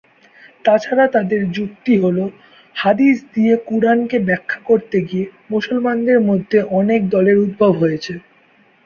তাছাড়া তাদের যুক্তি হল, হাদিস দিয়ে কুরআনকে ব্যাখ্যা করতে গিয়ে মুসলমানদের মধ্যে অনেক দলের উদ্ভব হয়েছে।